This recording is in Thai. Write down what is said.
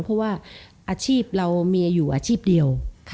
เพราะว่าอาชีพเรามีอยู่อาชีพเดียว